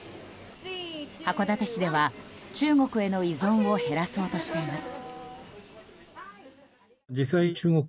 函館市では中国への依存を減らそうとしています。